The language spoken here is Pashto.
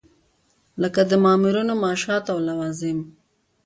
لکه د مامورینو معاشات او لوازم.